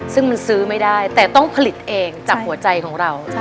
ซึ่งมันซื้อไม่ได้แต่ต้องผลิตเองจากหัวใจของเรา